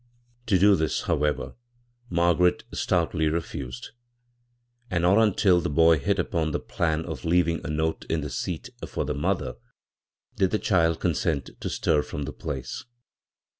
To do this, however, Margaret stoudy re fused ; and not until the boy hit upon the plan of leaving a note in the seat for tho b, Google CROSS CURRENTS mother did the child consent to stir from the place.